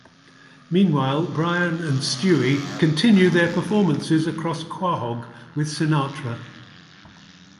Meanwhile, Brian and Stewie continue their performances across Quahog with Sinatra.